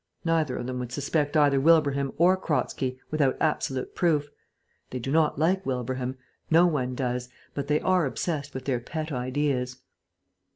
Neither of them would suspect either Wilbraham or Kratzky without absolute proof. They do not like Wilbraham. No one does. But they are obsessed with their pet ideas."